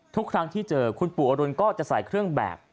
ทุกครั้งที่เจอคุณปู่อรุณก็จะใส่เครื่องแบบ